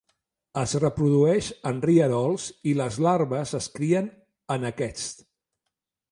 Es reprodueix en rierols i les larves es crien en aquests.